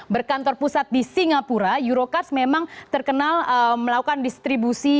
berkantor pusat di singapura eurocars memang terkenal melakukan distribusi